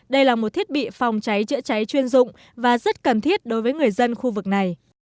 đây là một thiết bị phòng cháy chữa cháy chuyên dụng và rất cần thiết đối với người dân khu vực này